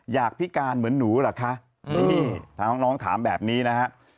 อยากพิการเหมือนหนูหรอคะทางน้องถามแบบนี้นะครับ